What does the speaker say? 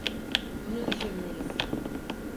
Bunu düşünmelisin.